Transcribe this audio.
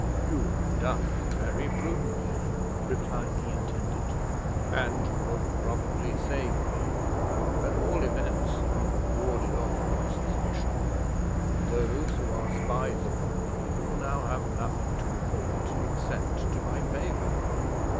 "You have done very prudently," replied the intendant, "and you have probably saved me; at all events, you have warded off all suspicion, and those who are spies upon me will now have nothing to report, except to my favor.